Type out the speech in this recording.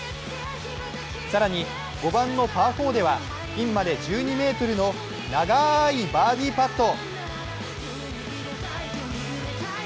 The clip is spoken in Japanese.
更に５番のパー４ではピンまで１２ｍの長いバーディーパット。